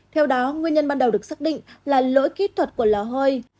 theo đó nguyên nhân ban đầu được xác định là lỗi kỹ thuật của lò hơi